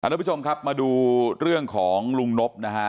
ทุกผู้ชมครับมาดูเรื่องของลุงนบนะฮะ